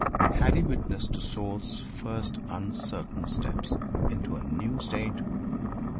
Had he witnessed a soul's first uncertain steps into a new state?